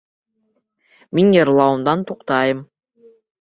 Мин йырлауымдан туҡтайым.